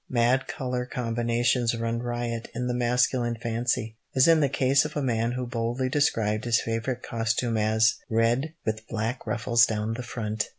Mad colour combinations run riot in the masculine fancy, as in the case of a man who boldly described his favourite costume as "red, with black ruffles down the front!"